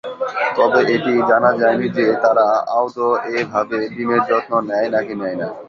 তবে এটি জানা যায়নি যে তারা আদৌ এভাবে ডিমের যত্ন নেয় নাকি নেয় না।